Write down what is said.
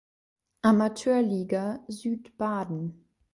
Amateurliga Südbaden.